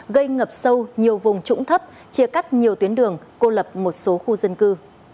gây ngập sâu nhiều vùng trũng thấp chia cắt nhiều tuyến đường cô lập một số khu dân cư